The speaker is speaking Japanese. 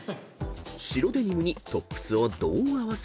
［白デニムにトップスをどう合わせる？］